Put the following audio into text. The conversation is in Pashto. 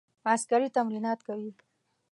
عسکري تمرینات کوي.